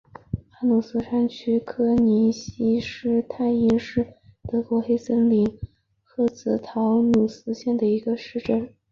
陶努斯山区柯尼希施泰因是德国黑森州霍赫陶努斯县的一个市镇。